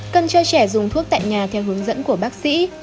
cần cho trẻ dùng thuốc tại nhà theo hướng dẫn của bác sĩ